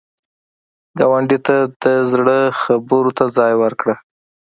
ګاونډي ته د زړه خبرو ته ځای ورکړه